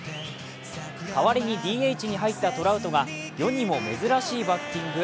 かわりにＤＨに入ったトラウトが世にも珍しいバッティング。